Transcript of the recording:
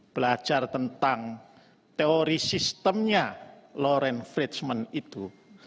belajar tentang teori sistemnya loren friedman itu